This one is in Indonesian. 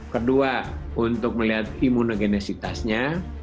kedua untuk melihat imunogenisitasnya